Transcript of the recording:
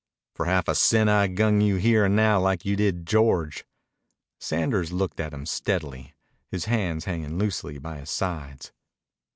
"For half a cent I'd gun you here and now like you did George." Sanders looked at him steadily, his hands hanging loosely by his sides.